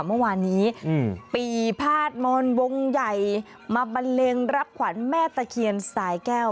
เมื่อวานนี้ปีพาดมอนวงใหญ่มาบันเลงรับขวัญแม่ตะเคียนสายแก้ว